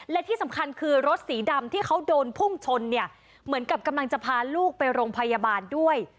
และที่สำคัญคือรถสีดำที่เขาโดนพุ่งชนเนี่ยเหมือนกับกำลังจะพาลูกไปโรงพยาบาลด้วย